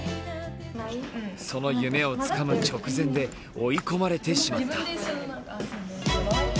その夢をつかむ直前で追い込まれてしまった。